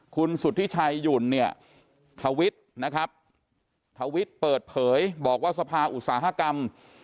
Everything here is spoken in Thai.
คุณสุธิชัยหยุ่นเนี่ยทวิตนะครับทวิตเปิดเผยบอกว่าสภาอุตสาหกรรม